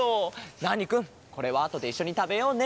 ナーニくんこれはあとでいっしょにたべようね。